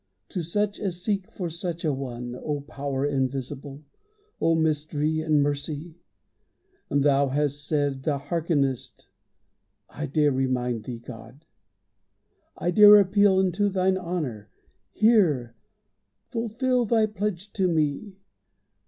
To such as seek For such a one, O Power invisible! O Mystery and Mercy! Thou hast said Thou hearkenest. I dare remind Thee, God. I dare appeal unto Thine honor. Hear! Fulfill Thy pledge to me.